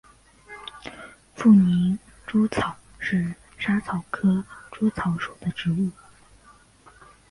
富宁薹草是莎草科薹草属的植物。